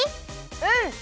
うん！